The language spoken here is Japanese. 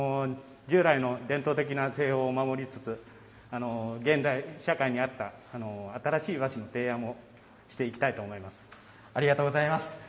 従来の伝統的な製法を守りつつ現代社会に合った新しい和紙の提案をしていきたいと思います。